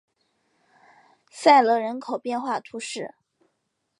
塞勒人口变化图示